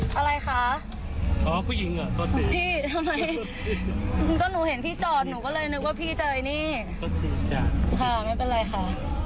ค่ะไม่เป็นไรค่ะ